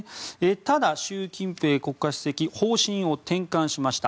ただ、習近平国家主席方針を転換しました。